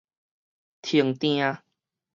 停碇